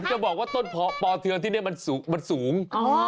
จะบอกว่าต้นปอเทืองที่นี่มันสูง